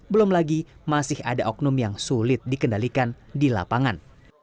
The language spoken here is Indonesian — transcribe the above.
belum lagi masih ada oknum yang sulit dikendalikan di lapangan